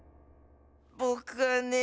ぼくはね